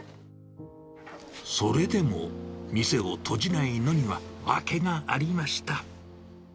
それでも、店を閉じないのには訳がありました。